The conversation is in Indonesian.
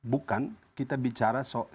bukan kita bicara